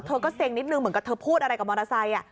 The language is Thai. เธอก็เซ็งนิดนึงเหมือนกับเธอพูดอะไรกับมอเตอร์ไซค์